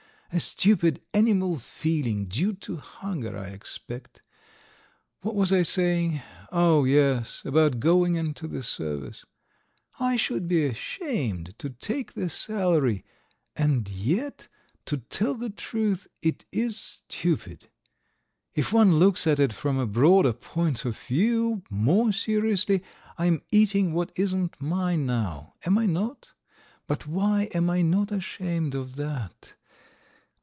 A stupid, animal feeling due to hunger, I expect. ... What was I saying? Oh, yes, about going into the Service, ... I should be ashamed to take the salary, and yet, to tell the truth, it is stupid. If one looks at it from a broader point of view, more seriously, I am eating what isn't mine now. Am I not? But why am I not ashamed of that.